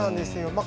まあ